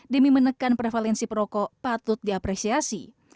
demi menekan prevalensi perokok patut diapresiasi